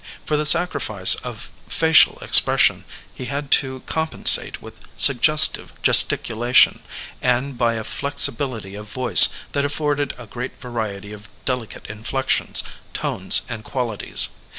For the sacrifice of facial expression he had to com pensate with suggestive gesticulation, and by a flexi bility of voice that afforded a great variety of deli cate inflections, tones and qualities.